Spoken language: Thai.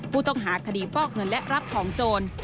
ผู้ต้องหาคดีฟอกเงินและรับของโจร